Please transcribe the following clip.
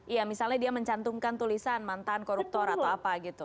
iya misalnya dia mencantumkan tulisan mantan koruptor atau apa gitu